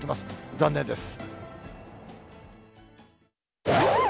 残念です。